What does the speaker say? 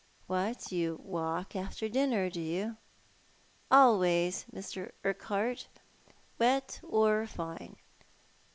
" What, you walk after dinner, do you?" " Always, Mr. Urquhart, wet or fine.